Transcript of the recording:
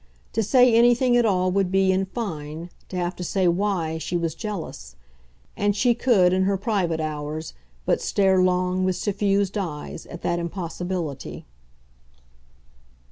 To say anything at all would be, in fine, to have to say WHY she was jealous; and she could, in her private hours, but stare long, with suffused eyes, at that impossibility.